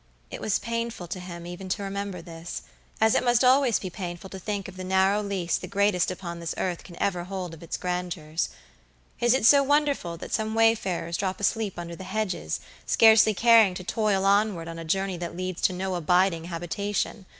It was painful to him even to remember this; as it must always be painful to think of the narrow lease the greatest upon this earth can ever hold of its grandeurs. Is it so wonderful that some wayfarers drop asleep under the hedges, scarcely caring to toil onward on a journey that leads to no abiding habitation?